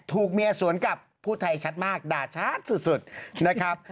ถูกเมียสวนกับผู้ไทยชัดมากด่าชัดสุดนะครับ